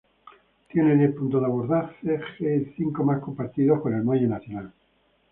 Tiene diez puentes de abordaje y cinco más compartidos con el muelle nacional.